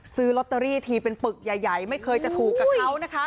ซื้อลอตเตอรี่ทีเป็นปึกใหญ่ไม่เคยจะถูกกับเขานะคะ